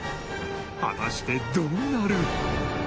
果たしてどうなる？